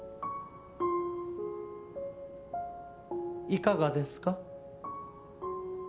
いかがですか？